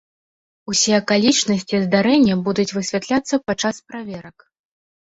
Усё акалічнасці здарэння будуць высвятляцца падчас праверак.